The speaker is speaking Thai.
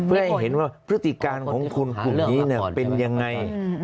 และเห็นว่าพฤติการของคุณเป็นยังไง